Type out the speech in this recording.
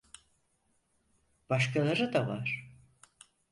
Başkaları da var.